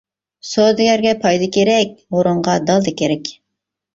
سودىگەرگە پايدا كېرەك، ھۇرۇنغا دالدا كېرەك.